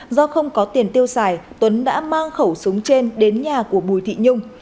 do không có tiền tiêu xài tuấn đã mang khẩu súng trên đến nhà của bùi thị nhung